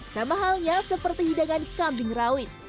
sama halnya seperti hidangan kambing rawit